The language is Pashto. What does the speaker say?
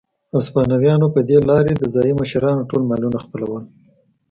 هسپانویانو په دې لارې د ځايي مشرانو ټول مالونه خپلول.